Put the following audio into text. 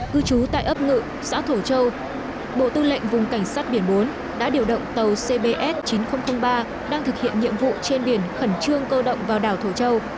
cư trú tại ấp ngự xã thổ châu bộ tư lệnh vùng cảnh sát biển bốn đã điều động tàu cbs chín nghìn ba đang thực hiện nhiệm vụ trên biển khẩn trương cơ động vào đảo thổ châu